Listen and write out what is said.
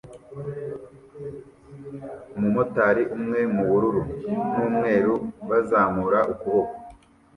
umumotari umwe mubururu n'umweru bazamura ukuboko